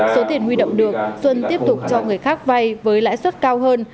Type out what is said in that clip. số tiền huy động được xuân tiếp tục cho người khác vay với lãi suất cao hơn